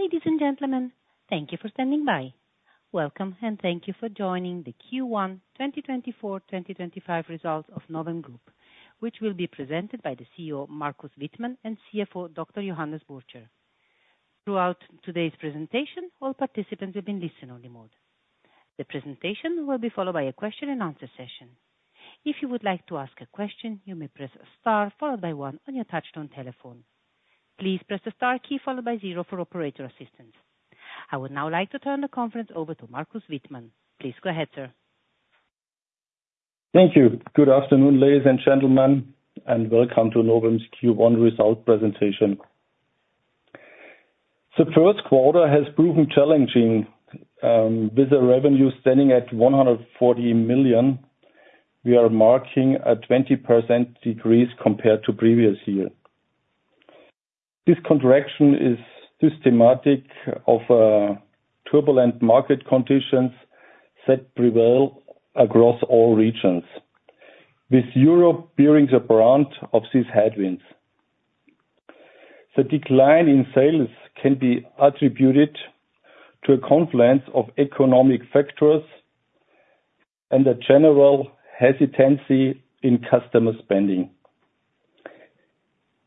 Ladies and gentlemen, thank you for standing by. Welcome, and thank you for joining the Q1 2024/2025 results of Novem Group, which will be presented by the CEO, Markus Wittmann, and CFO, Dr. Johannes Burtscher. Throughout today's presentation, all participants will be in listen-only mode. The presentation will be followed by a question and answer session. If you would like to ask a question, you may press star followed by one on your touchtone telephone. Please press the star key followed by zero for operator assistance. I would now like to turn the conference over to Markus Wittmann. Please go ahead, sir. Thank you. Good afternoon, ladies and gentlemen, and welcome to Novem's Q1 result presentation. The first quarter has proven challenging, with the revenue standing at 140 million, we are marking a 20% decrease compared to previous year. This contraction is symptomatic of turbulent market conditions that prevail across all regions, with Europe bearing the brunt of these headwinds. The decline in sales can be attributed to a confluence of economic factors and a general hesitancy in customer spending.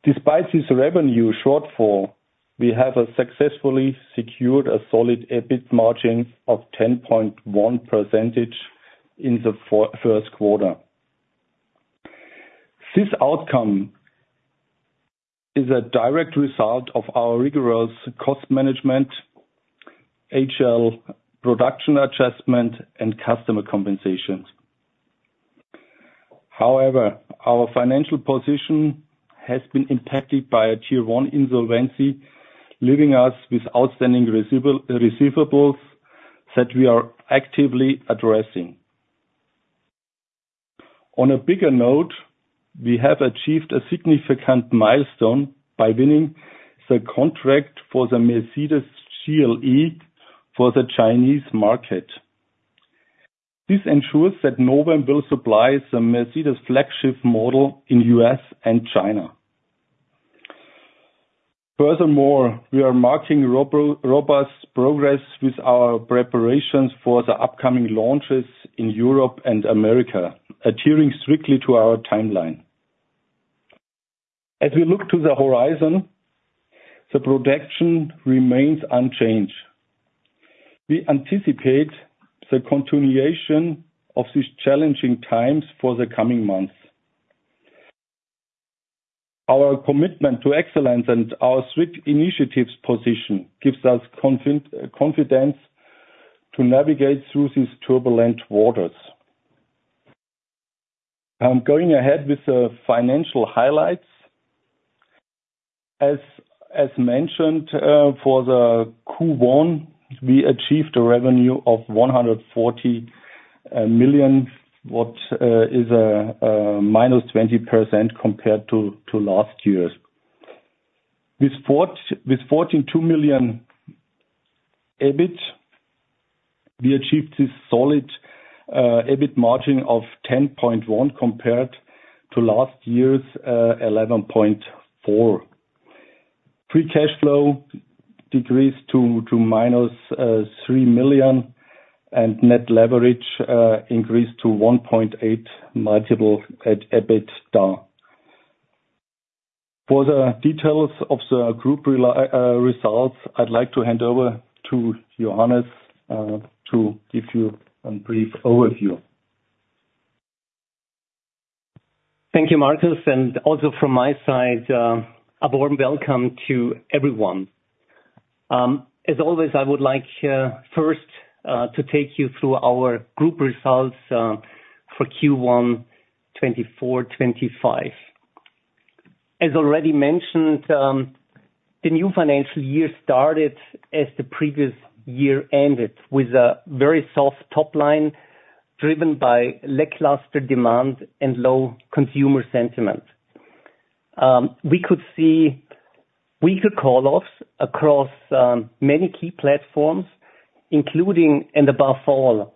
Despite this revenue shortfall, we have successfully secured a solid EBIT margin of 10.1% in the first quarter. This outcome is a direct result of our rigorous cost management, HL production adjustment, and customer compensations. However, our financial position has been impacted by a Tier One insolvency, leaving us with outstanding receivables that we are actively addressing. On a bigger note, we have achieved a significant milestone by winning the contract for the Mercedes GLE for the Chinese market. This ensures that Novem will supply the Mercedes flagship model in U.S. and China. Furthermore, we are marking robust progress with our preparations for the upcoming launches in Europe and America, adhering strictly to our timeline. As we look to the horizon, the production remains unchanged. We anticipate the continuation of these challenging times for the coming months. Our commitment to excellence and our strict initiatives position gives us confidence to navigate through these turbulent waters. I'm going ahead with the financial highlights. As mentioned, for the Q1, we achieved a revenue of 140 million minus 20% compared to last year's. With fourteen million EBIT, we achieved a solid EBIT margin of 10.1%, compared to last year's 11.4%. Free cash flow decreased to -3 million, and net leverage increased to 1.8x multiple at EBITDA. For the details of the group results, I'd like to hand over to Johannes to give you a brief overview. Thank you, Markus, and also from my side, a warm welcome to everyone. As always, I would like, first, to take you through our group results for Q1 2024/2025. As already mentioned, the new financial year started as the previous year ended, with a very soft top line, driven by lackluster demand and low consumer sentiment. We could see weaker call-offs across many key platforms, including, and above all,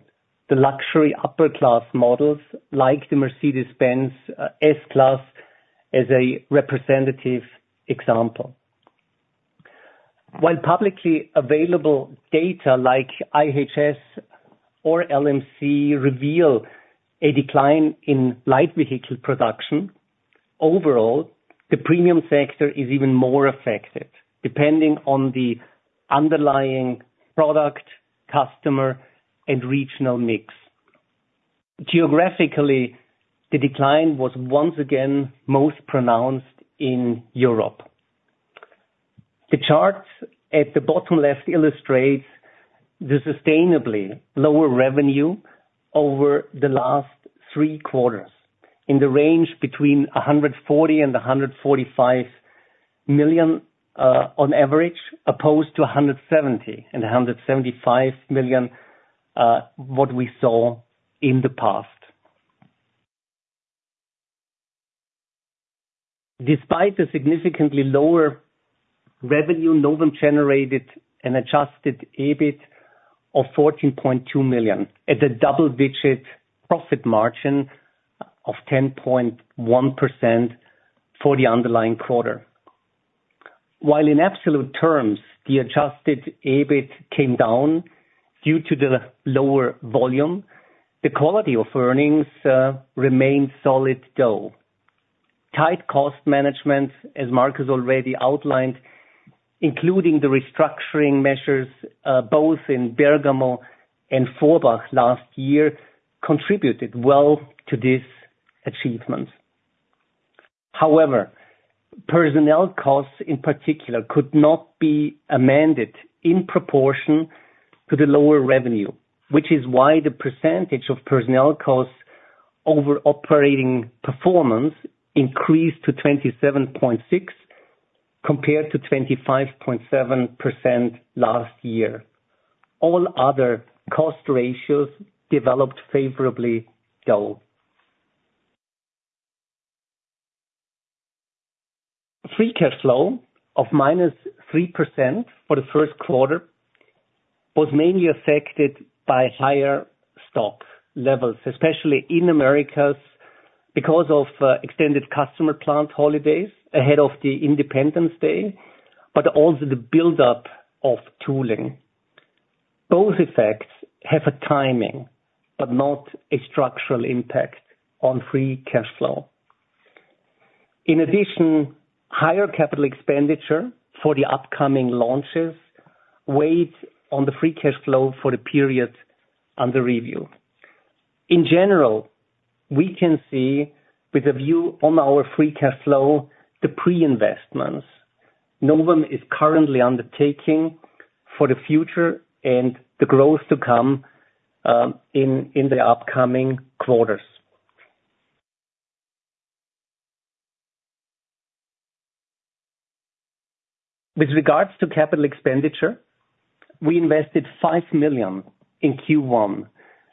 the luxury upper-class models, like the Mercedes-Benz S-Class, as a representative example. While publicly available data like IHS or LMC reveal a decline in light vehicle production, overall, the premium sector is even more affected, depending on the underlying product, customer, and regional mix. Geographically, the decline was once again most pronounced in Europe. The charts at the bottom left illustrates the sustainably lower revenue over the last three quarters, in the range between 140 million and 145 million, on average, opposed to 170 million and 175 million, what we saw in the past. Despite the significantly lower revenue, Novem generated an adjusted EBIT of 14.2 million at a double-digit profit margin of 10.1% for the underlying quarter. While in absolute terms, the adjusted EBIT came down due to the lower volume, the quality of earnings remained solid though. Tight cost management, as Markus already outlined, including the restructuring measures, both in Bergamo and Vorbach last year, contributed well to this achievement. However, personnel costs in particular, could not be amended in proportion to the lower revenue, which is why the percentage of personnel costs over operating performance increased to 27.6%, compared to 25.7% last year. All other cost ratios developed favorably though. Free cash flow of -3% for the first quarter was mainly affected by higher stock levels, especially in Americas, because of extended customer plant holidays ahead of the Independence Day, but also the buildup of tooling. Both effects have a timing, but not a structural impact on free cash flow. In addition, higher capital expenditure for the upcoming launches weighed on the free cash flow for the period under review. In general, we can see with a view on our free cash flow, the pre-investments Novem is currently undertaking for the future and the growth to come in the upcoming quarters. With regards to capital expenditure, we invested 5 million in Q1,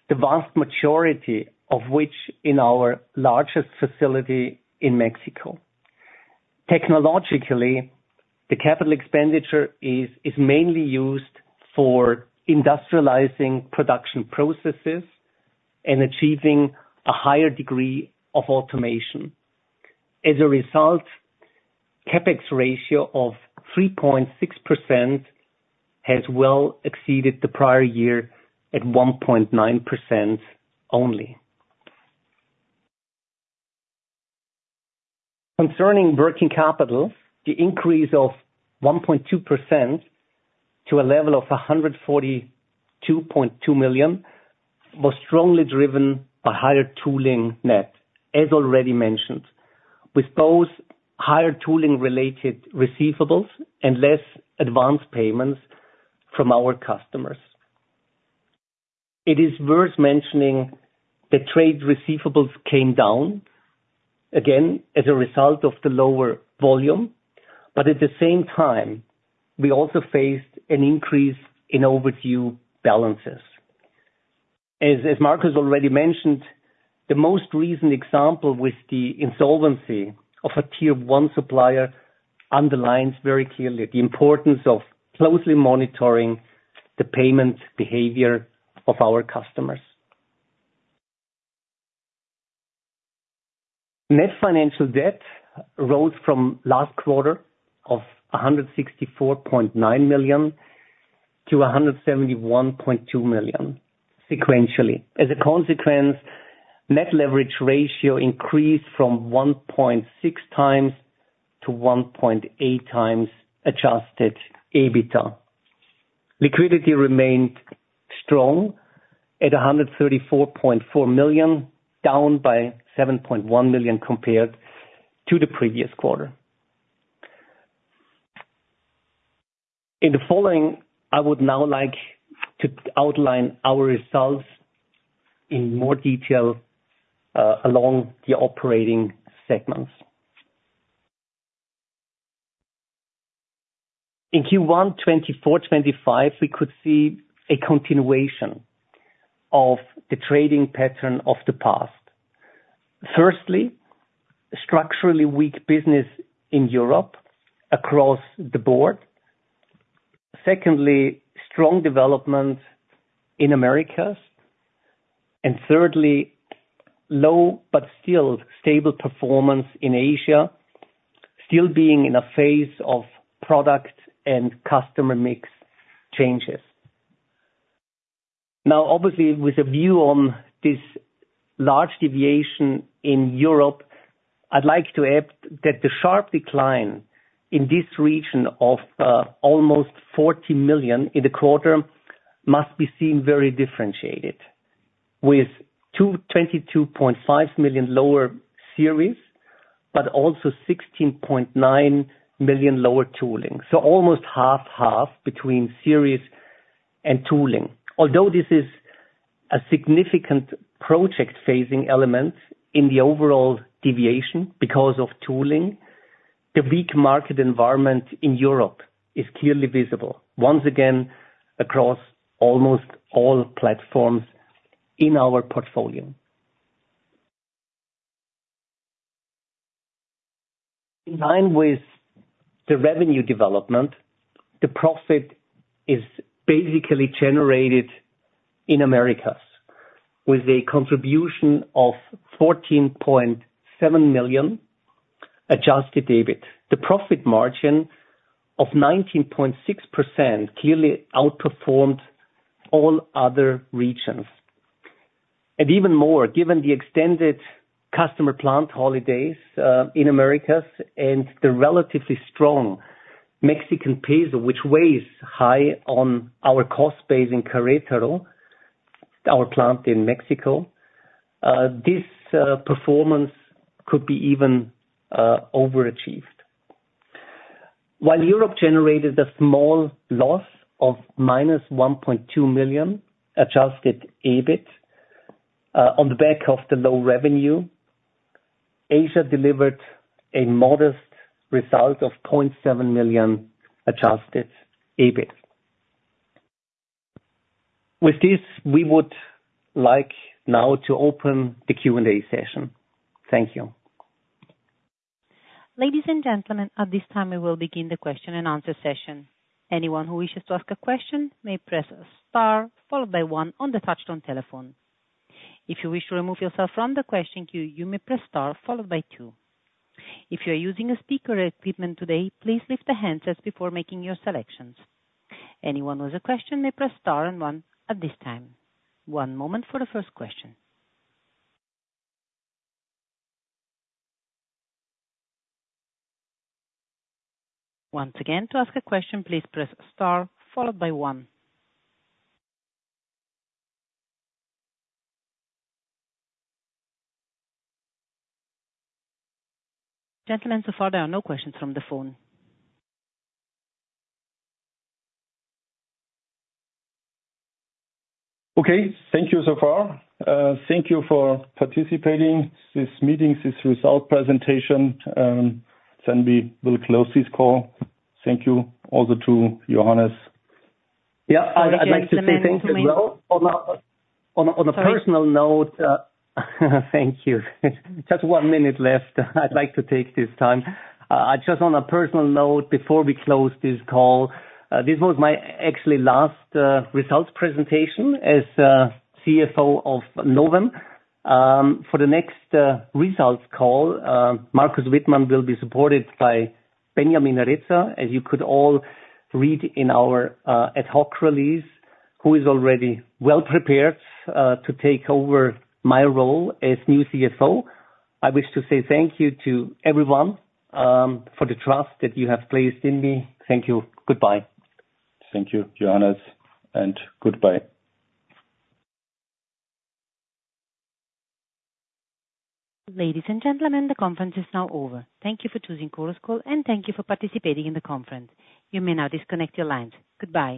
the vast majority of which in our largest facility in Mexico. Technologically, the capital expenditure is mainly used for industrializing production processes and achieving a higher degree of automation. As a result, CapEx ratio of 3.6% has well exceeded the prior year, at 1.9% only. Concerning working capital, the increase of 1.2% to a level of 142.2 million was strongly driven by higher tooling net, as already mentioned, with both higher tooling related receivables and less advanced payments from our customers. It is worth mentioning that trade receivables came down, again, as a result of the lower volume, but at the same time, we also faced an increase in overdue balances. As Markus already mentioned, the most recent example with the insolvency of a Tier One supplier underlines very clearly the importance of closely monitoring the payment behavior of our customers. Net financial debt rose from last quarter of 164.9 million to 171.2 million sequentially. As a consequence, net leverage ratio increased from 1.6x-1.8x adjusted EBITDA. Liquidity remained strong at 134.4 million, down by 7.1 million compared to the previous quarter. In the following, I would now like to outline our results in more detail, along the operating segments. In Q1 2024/2025, we could see a continuation of the trading pattern of the past. Firstly, structurally weak business in Europe across the board. Secondly, strong development in Americas, and thirdly, low but still stable performance in Asia, still being in a phase of product and customer mix changes. Now, obviously with a view on this large deviation in Europe, I'd like to add that the sharp decline in this region of almost 40 million in the quarter must be seen very differentiated, with 22.5 million lower series, but also 16.9 million lower tooling. So almost 50/50 between series and tooling. Although this is a significant project-phasing element in the overall deviation because of tooling, the weak market environment in Europe is clearly visible, once again, across almost all platforms in our portfolio. In line with the revenue development, the profit is basically generated in Americas, with a contribution of 14.7 million adjusted EBIT. The profit margin of 19.6% clearly outperformed all other regions. And even more, given the extended customer plant holidays in Americas and the relatively strong Mexican peso, which weighs high on our cost base in Querétaro, our plant in Mexico, this performance could be even overachieved. While Europe generated a small loss of -1.2 million adjusted EBIT on the back of the low revenue, Asia delivered a modest result of 0.7 million adjusted EBIT. With this, we would like now to open the Q&A session. Thank you. Ladies and gentlemen, at this time, we will begin the question and answer session. Anyone who wishes to ask a question may press star followed by one on the touchtone telephone. If you wish to remove yourself from the question queue, you may press star followed by two. If you're using a speaker or equipment today, please lift the handset before making your selections. Anyone with a question may press star and one at this time. One moment for the first question. Once again, to ask a question, please press star followed by one. Gentlemen, so far there are no questions from the phone. Okay, thank you so far. Thank you for participating this meeting, this result presentation. Then we will close this call. Thank you also to Johannes. Yeah, I'd like to say thank you as well. On a personal note, thank you. Just one minute left. I'd like to take this time. Just on a personal note, before we close this call, this was my actually last results presentation as CFO of Novem. For the next results call, Markus Wittmann will be supported by Benjamin Retzer, as you could all read in our ad hoc release, who is already well prepared to take over my role as new CFO. I wish to say thank you to everyone for the trust that you have placed in me. Thank you. Goodbye. Thank you, Johannes, and goodbye. Ladies and gentlemen, the conference is now over. Thank you for choosing Chorus Call, and thank you for participating in the conference. You may now disconnect your lines. Goodbye.